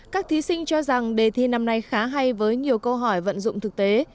các thí sinh cho rằng đề thi năm nay khá hay với nhiều câu hỏi vận dụng thực tế